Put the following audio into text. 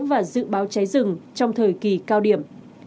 và dự báo cháy rừng trong thời kỳ cao điểm